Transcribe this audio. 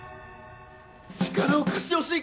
力を貸してほしい。